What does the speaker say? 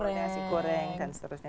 nasi goreng dan seterusnya